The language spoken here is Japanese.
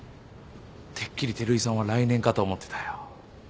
てっきり照井さんは来年かと思ってたよ。